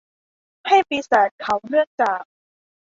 ให้ปีศาจเขาเนื่องจาก